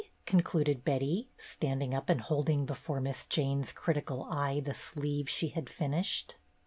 concluded Betty, standing up and holding before Miss Jane's critical eye the sleeve she had finished.